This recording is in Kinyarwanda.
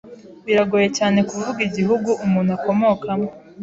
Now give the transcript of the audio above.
Biragoye cyane kuvuga igihugu umuntu akomokamo.